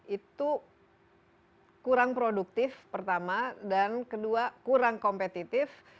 itu kurang produktif pertama dan kedua kurang kompetitif